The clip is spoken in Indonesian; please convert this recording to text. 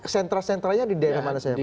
sentra sentranya di daerah mana saja